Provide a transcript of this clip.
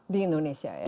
di indonesia ya